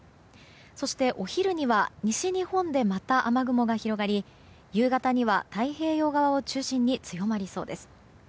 そして、お昼には西日本でまた雨雲が広がり夕方には太平洋側を中心に強まりそうです。